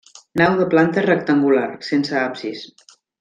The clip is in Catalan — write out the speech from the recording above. Nau de planta rectangular, sense absis.